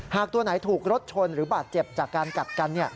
ตัวไหนถูกรถชนหรือบาดเจ็บจากการกัดกัน